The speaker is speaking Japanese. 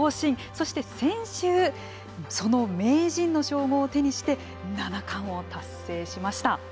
そして先週その名人の称号を手にして七冠を達成しました。